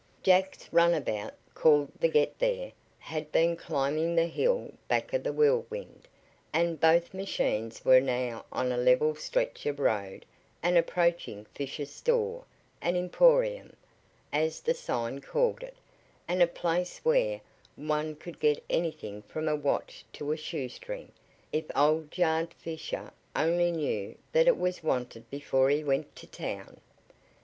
Jack's runabout, called the Get There, had been climbing the hill back of the Whirlwind, and both machines were now on a level stretch of road and approaching Fisher's store an "emporium," as the sign called it, and a place where one could get anything from a watch to a shoestring, if old Jared Fisher only knew that it was wanted before he went to town.